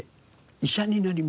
医者になります。